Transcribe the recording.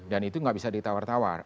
dan itu gak bisa ditawar tawar